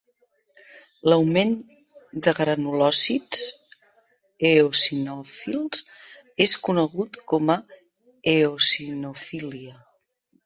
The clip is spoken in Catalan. L'augment de granulòcits eosinòfils es conegut com a eosinofília.